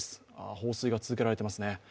放水が続けられています。